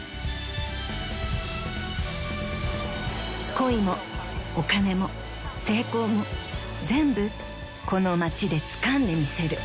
［恋もお金も成功も全部この町でつかんでみせる］